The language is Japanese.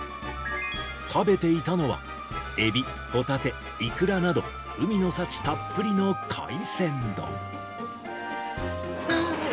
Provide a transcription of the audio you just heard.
食べていたのは、えび、ほたて、いくらなど、海の幸たっぷりの海鮮丼。